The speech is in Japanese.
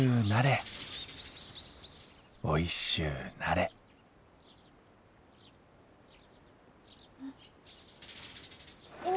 おいしゅうなれん！